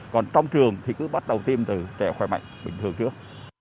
còn trong trường thì cứ bắt đầu tiêm từ trẻ khỏe mạnh bình thường trước